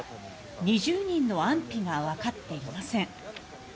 ２０人の安否がわかっていません。